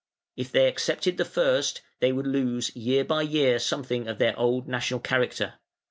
If they accepted the first, they would lose year by year something of their old national character.